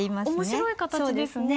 面白い形ですね。